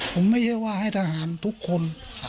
ผมไม่ใช่ว่าให้ทหารทุกคน